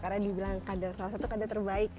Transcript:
karena dibilang salah satu kader terbaik